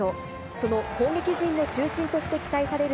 その攻撃陣の中心として期待される